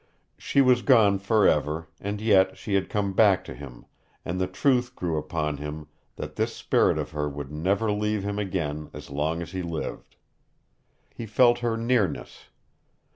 She was gone forever, and yet she had come back to him, and the truth grew upon him that this spirit of her would never leave him again as long as he lived. He felt her nearness.